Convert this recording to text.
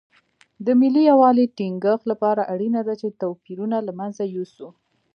د ملي یووالي ټینګښت لپاره اړینه ده چې توپیرونه له منځه یوسو.